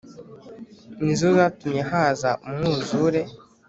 ni zo zatumye haza umwuzure.